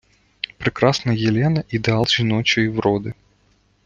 Прекрасна Єлена - ідеал жіночої вроди